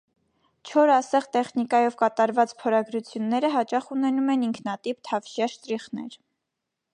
«Չոր ասեղ» տեխնիկայով կատարված փորագրությունները հաճախ ունենում են ինքնատիպ թավշյա շտրիխներ։